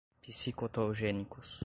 psicotogênicos